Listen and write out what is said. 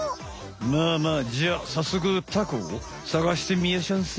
まあまあじゃあさっそくタコをさがしてみやしゃんせ。